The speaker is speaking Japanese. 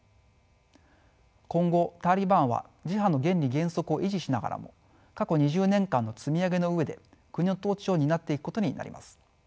今後タリバンは自派の原理原則を維持しながらも過去２０年間の積み上げの上で国の統治を担っていくことになります。